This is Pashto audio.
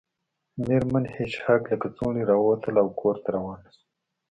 میرمن هیج هاګ له کڅوړې راووتله او کور ته روانه شوه